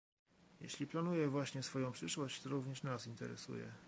Jeśli planuje właśnie swoją przyszłość, to również nas interesuje